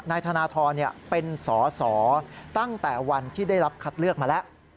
นายธนทรเป็นสอสอตั้งแต่วันที่ได้รับคัดเลือกมาแล้ว